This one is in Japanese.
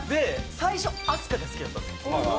最初、アスカが好きだったんですよ。